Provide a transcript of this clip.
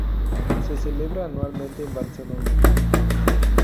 Se celebra anualmente en Barcelona.